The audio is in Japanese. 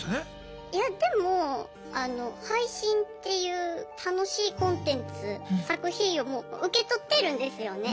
いやでも配信っていう楽しいコンテンツ作品をもう受け取ってるんですよね。